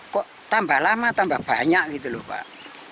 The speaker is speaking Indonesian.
kok tambah lama tambah banyak gitu loh pak